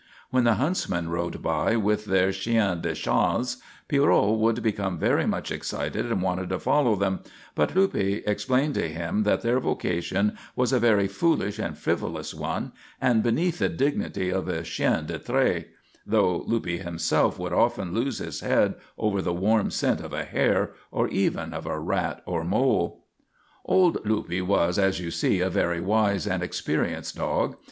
When the huntsmen rode by with their chiens de chasse Pierrot would become very much excited and wanted to follow them, but Luppe explained to him that their vocation was a very foolish and frivolous one, and beneath the dignity of a chien de trait, though Luppe himself would often lose his head over the warm scent of a hare, or even of a rat or mole. Old Luppe was, as you see, a very wise and experienced dog.